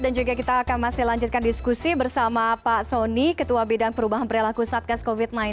dan juga kita akan masih lanjutkan diskusi bersama pak soni ketua bidang perubahan perlaku satgas covid sembilan belas